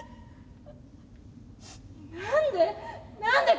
何で？